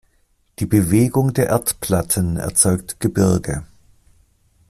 Die Bewegung der Erdplatten erzeugt Gebirge.